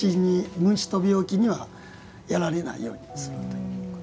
虫と病気にはやられないようにするという。